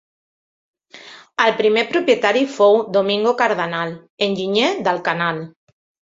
El primer propietari fou Domingo Cardenal, enginyer del canal.